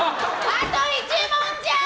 あと１問じゃん！